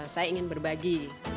saya ingin berbagi